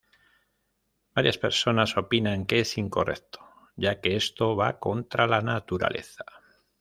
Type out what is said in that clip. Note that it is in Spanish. Varias personas opinan que es incorrecto, ya que "eso va contra la naturaleza".